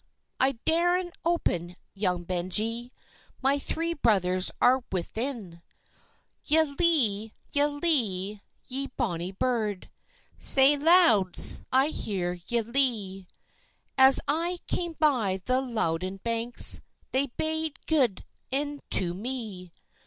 "I darena open, young Benjie, My three brothers are within." "Ye lee, ye lee, ye bonnie burd, Sae loud's I hear ye lee; As I came by the Louden banks, They bade gude e'en to me.